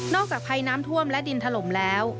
จากภัยน้ำท่วมและดินถล่มแล้ว